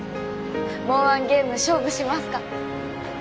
もう１ゲーム勝負しますか？